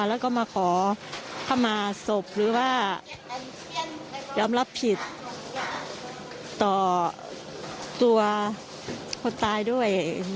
แล้วก็มาขอเข้ามาศพหรือว่ายอมรับผิดต่อตัวคนตายด้วย